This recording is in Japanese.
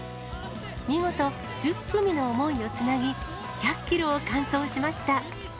見事、１０組の想いをつなぎ、１００キロを完走しました。